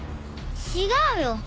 違うよ！